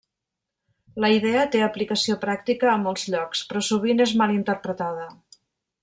La idea té aplicació pràctica a molts llocs, però sovint és mal interpretada.